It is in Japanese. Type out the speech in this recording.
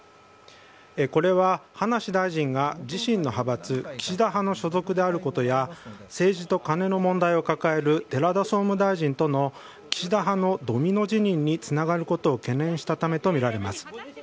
これは葉梨大臣が自身の派閥、岸田派の所属であることや政治とカネの問題を抱える寺田総務大臣との岸田派のドミノ辞任につながることを懸念したためとみられています。